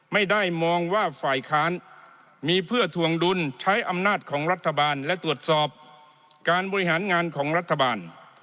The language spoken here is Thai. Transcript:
ไม่ได้มองว่าฝ่ายค้านมีเพื่อถวงดุลใช้อำนาจของรัฐบาลและตรวจสอบการบริหารงานของรัฐบาล